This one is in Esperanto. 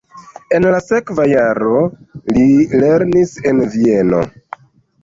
En la sekva jaro li lernis en Vieno.